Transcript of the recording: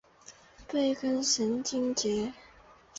背根神经节。